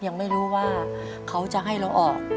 ยังไม่รู้ว่าเขาจะให้เราออก